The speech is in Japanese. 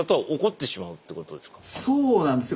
そうなんですよ。